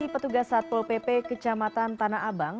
petugas satpol pp kecamatan tanah abang